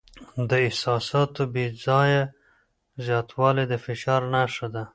د احساساتو بې ځایه زیاتوالی د فشار نښه ده.